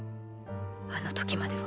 あの時までは。